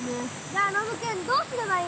じゃノブ君どうすればいいの？